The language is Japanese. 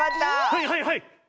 はいはいはい。